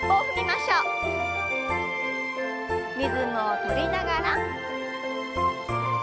リズムを取りながら。